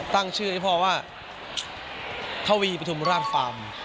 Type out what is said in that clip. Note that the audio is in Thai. ตั้งชื่อให้พ่อว่าทวีปฐุมราชฟาร์ม